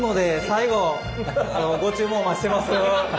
最後ご注文お待ちしてます。